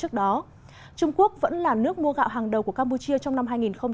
trung quốc vẫn là nước mua gạo hàng đầu của campuchia trong năm hai nghìn một mươi chín